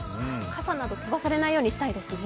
傘など飛ばされないようにしたいですね。